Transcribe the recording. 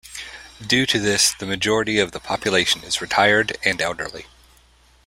Due to this the majority of the population is retired and elderly.